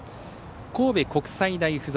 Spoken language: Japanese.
神戸国際大付属。